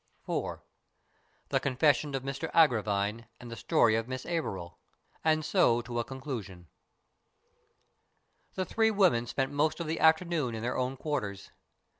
IV THE CONFESSION OF MR AGRAVINE AND THE STORY OF MISS AVERIL : AND SO TO A CONCLUSION THE three women spent most of the afternoon in their own quarters.